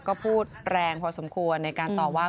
ก็พูดแรงพอสมควรในการตอบว่า